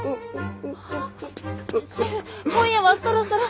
シェフ今夜はそろそろ。